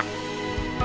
aku harus bisa